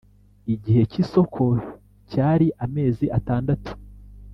Igihe cy ‘isoko cyari amezi atandatu.